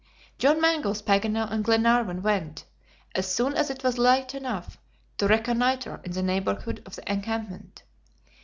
John Mangles, Paganel, and Glenarvan went, as soon as it was light enough, to reconnoiter in the neighborhood of the encampment.